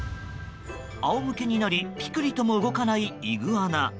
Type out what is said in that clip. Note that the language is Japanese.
仰向けになりピクリとも動かないイグアナ。